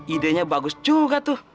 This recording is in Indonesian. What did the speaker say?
idenya bagus juga tuh